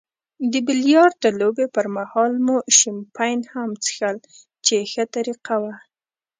د بیلیارډ لوبې پرمهال مو شیمپین هم څیښل چې ښه طریقه وه.